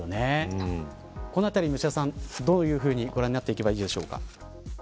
このあたり、武者さんどういうふうにご覧になっていけばいいでしょうか。